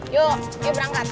yuk yuk berangkat